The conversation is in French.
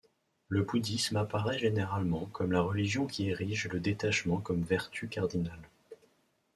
Le bouddhisme apparaît généralement comme la religion qui érige le détachement comme vertu cardinale.